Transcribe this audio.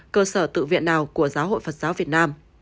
cơ sở tự viện nào của giáo hội phật giáo việt nam